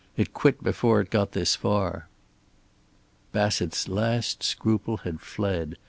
It quit before it got this far." Bassett's last scruple had fled.